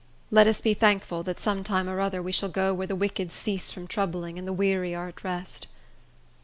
Let us be thankful that some time or other we shall go 'where the wicked cease from troubling, and the weary are at rest.